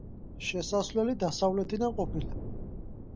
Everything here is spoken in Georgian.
შესასვლელი დასავლეთიდან ყოფილა.